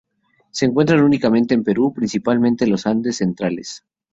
Se encuentran únicamente en Perú, principalmente en los Andes centrales.